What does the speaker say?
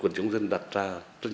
trong thời gian qua hay không